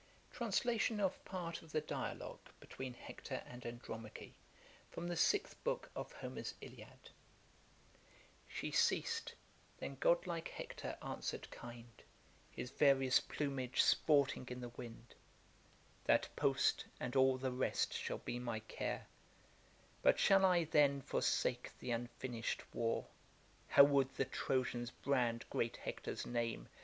Translation of part of the Dialogue between HECTOR and ANDROMACHE; from the Sixth Book of HOMER'S ILIAD. She ceas'd: then godlike Hector answer'd kind, (His various plumage sporting in the wind) That post, and all the rest, shall be my care; But shall I, then, forsake the unfinished war? How would the Trojans brand great Hector's name!